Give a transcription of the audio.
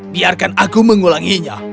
biarkan aku mengulanginya